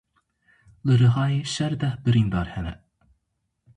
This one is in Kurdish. Li Rihayê şer deh birîndar hene.